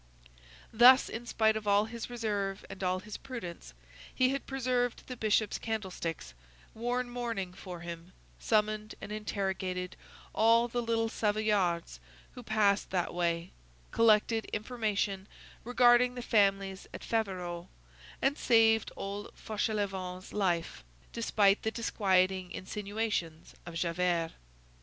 Thus, in spite of all his reserve and all his prudence, he had preserved the Bishop's candlesticks, worn mourning for him, summoned and interrogated all the little Savoyards who passed that way, collected information regarding the families at Faverolles, and saved old Fauchelevent's life, despite the disquieting insinuations of Javert.